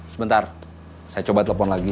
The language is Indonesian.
sebentar saya coba telepon lagi